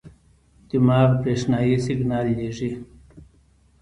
دماغ برېښنايي سیګنال لېږي.